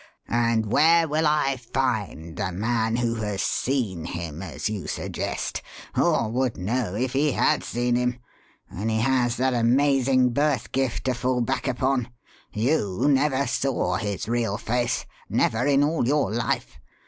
And where will I find a man who has 'seen' him, as you suggest or would know if he had seen him when he has that amazing birth gift to fall back upon? You never saw his real face never in all your life.